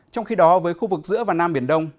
trong khi đó với khu vực giữa và nam biển đông